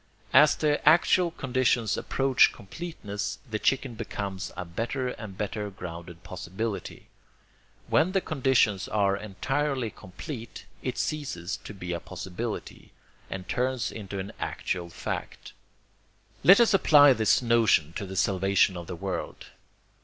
As the actual conditions approach completeness the chicken becomes a better and better grounded possibility. When the conditions are entirely complete, it ceases to be a possibility, and turns into an actual fact. Let us apply this notion to the salvation of the world.